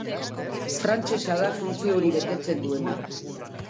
Frantsesa da funtzio hori betetzen duena.